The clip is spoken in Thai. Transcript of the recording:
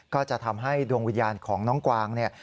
ก็จะทำให้ดวงวิญญาณของน้องกวางเนี่ย